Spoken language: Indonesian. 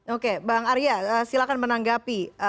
oke bang arya silakan menanggapi